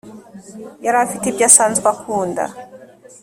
yari afite iby asanzwe akunda